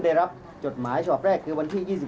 เพราะฉะนั้นไปได้รับจดหมายชอบแรกคือวันที่๒๔นะครับ